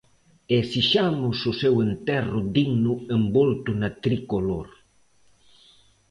E esixamos o seu enterro digno envolto na tricolor.